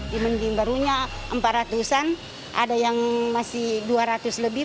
dibanding barunya empat ratus an ada yang masih dua ratus lebih